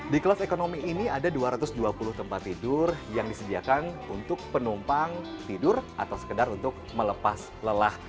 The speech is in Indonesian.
di kelas ekonomi ini ada dua ratus dua puluh tempat tidur yang disediakan untuk penumpang tidur atau sekedar untuk melepas lelah